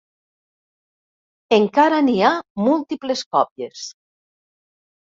Encara n'hi ha múltiples còpies.